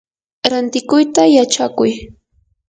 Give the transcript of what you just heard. rantikuyta yachakuy.